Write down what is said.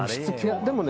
でもね